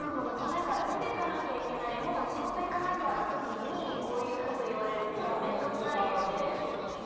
なんか出ていかなきゃいけないもう仕事行かなきゃな時にこういう事を言われるとちょっと面倒くさいって思うじゃないですか。